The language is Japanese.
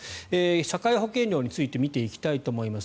社会保険料について見ていきたいと思います。